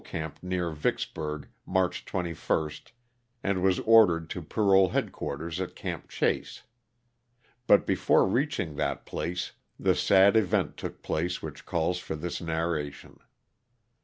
camp near Vicksburg, March 21, and was ordered to parole headquarters at Camp Chase. Bat before reach ing that place the sad event took place which calls for this narration.